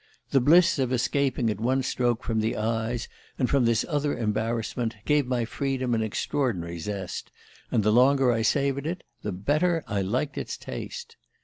The bliss of escaping at one stroke from the eyes, and from this other embarrassment, gave my freedom an extraordinary zest; and the longer I savoured it the better I liked its taste.